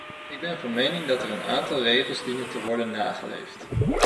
Ik ben van mening dat er een aantal regels dienen te worden nageleefd.